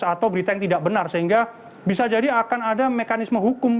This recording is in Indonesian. atau berita yang tidak benar sehingga bisa jadi akan ada mekanisme hukum